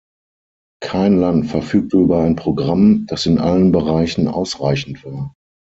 Kein Land verfügte über ein Programm, das in allen Bereichen ausreichend war.